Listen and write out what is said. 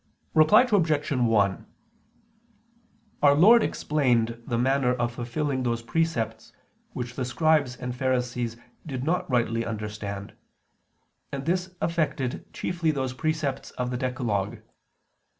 Reply Obj. 1: Our Lord explained the manner of fulfilling those precepts which the Scribes and Pharisees did not rightly understand: and this affected chiefly those precepts of the decalogue.